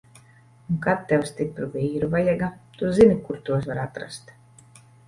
Un kad tev stipru vīru vajaga, tu zini, kur tos var atrast!